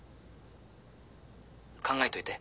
考えといて。